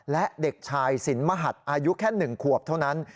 และเด็กชายสินมหัดอายุแค่๑ขวบเท่านั้น